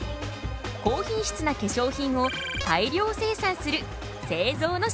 高品質な化粧品を大量生産する製造の仕事。